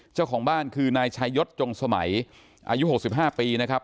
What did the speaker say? เจ้าของบ้านคือนายชายศจงสมัยอายุ๖๕ปีนะครับ